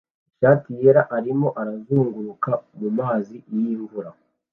ishati yera arimo arazunguruka mumazi y'imvura